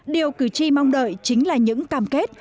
điều cử tri mong đợi chính là những cam kết